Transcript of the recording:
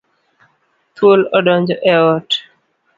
Thuol odonjo e ot.